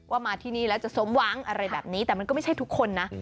มาที่นี่แล้วจะสมหวังอะไรแบบนี้แต่มันก็ไม่ใช่ทุกคนนะ